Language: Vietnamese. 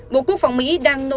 bộ quốc phòng mỹ đang nỗ lực